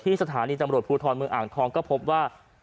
สถานีตำรวจภูทรเมืองอ่างทองก็พบว่า